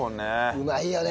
うまいよね。